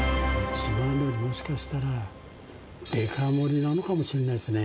自慢料理はもしかしたら、デカ盛りなのかもしれないですね。